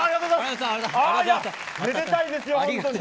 めでたいですよ、本当に。